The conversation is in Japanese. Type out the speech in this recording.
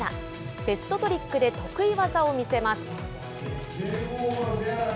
ベストトリックで得意技を見せます。